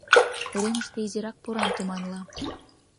Уремыште изирак поран туманла.